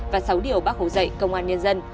và sáu điều bác hồ dạy công an nhân dân